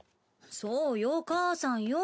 そうよ母さんよ。